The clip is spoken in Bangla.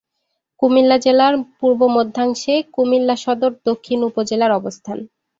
কুমিল্লা জেলার পূর্ব-মধ্যাংশে কুমিল্লা সদর দক্ষিণ উপজেলার অবস্থান।